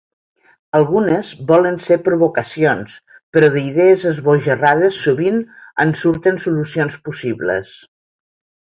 Algunes volen ser provocacions, però d’idees esbojarrades sovint en surten solucions possibles.